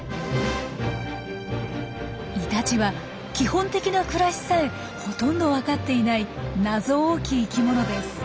イタチは基本的な暮らしさえほとんど分かっていない謎多き生きものです。